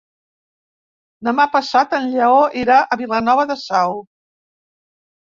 Demà passat en Lleó irà a Vilanova de Sau.